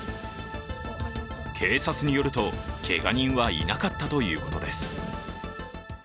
警察によると、けが人はいなかったということです。